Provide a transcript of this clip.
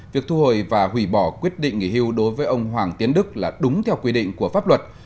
việc thu hồi và hủy bỏ quyết định nghỉ hưu đối với ông hoàng tiến đức là đúng theo quy định của pháp luật